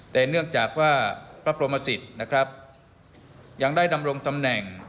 แต่เนื่องจากว่าพระพรหมสิทธิ์นะครับยังได้ดำรงตำแหน่ง